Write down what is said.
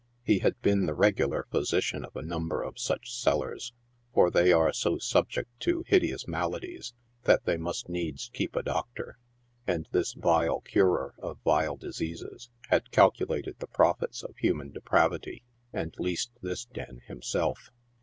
He had been the regular physician of a number of such collars — for they are so sub ject to hideous maladies that they must needs keep a doctor — and this vile curer of vile diseases had calculated the profits of human depravity, and leased this den himself.